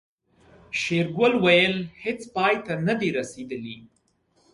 شېرګل وويل هيڅ پای ته نه دي رسېدلي.